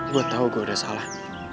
gue tau gue udah salah